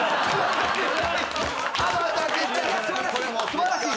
素晴らしい！